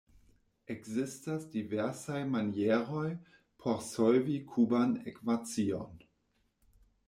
Ekzistas diversaj manieroj por solvi kuban ekvacion.